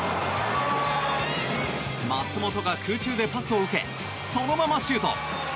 松本が空中でパスを受けそのままシュート。